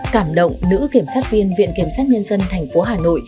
cảm động nữ kiểm sát viên viện kiểm sát nhân dân tp hcm